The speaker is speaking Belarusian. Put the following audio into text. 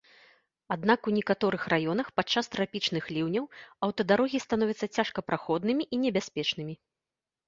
Аднак, у некаторых раёнах падчас трапічных ліўняў аўтадарогі становяцца цяжкапраходнымі і небяспечнымі.